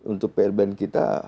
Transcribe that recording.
untuk prban kita